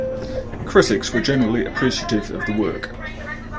Critics were generally appreciative of the work.